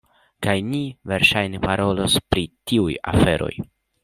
Kaj ni verŝajne parolos pri tiuj aferoj.